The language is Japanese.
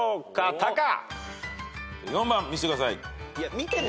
４番見せてください。